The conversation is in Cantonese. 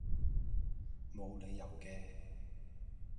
無理由既